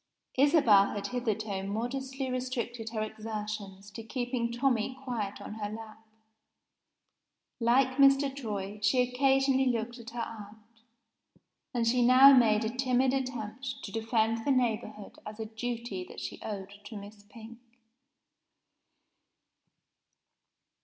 Isabel had hitherto modestly restricted her exertions to keeping Tommie quiet on her lap. Like Mr. Troy, she occasionally looked at her aunt and she now made a timid attempt to defend the neighborhood as a duty that she owed to Miss Pink.